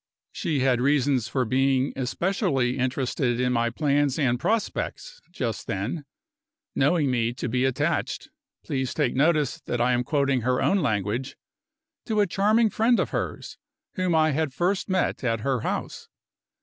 She had reasons for being especially interested in my plans and prospects, just then; knowing me to be attached (please take notice that I am quoting her own language) to a charming friend of hers, whom I had first met at her house.